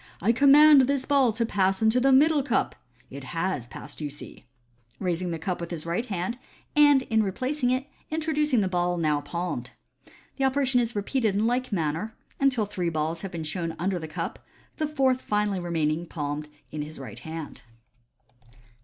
" I command this ball to pass into the middle cup. It has passed, you see " (raising the cup with the right hand, and in replac ing it, introducing the ball now palmed). The operation is repeated in like manner, until three balls have been shown under the cup, the fourth finally remaining palmed in the right hand.